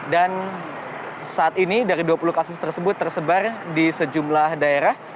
dan saat ini dari dua puluh kasus tersebut tersebar di sejumlah daerah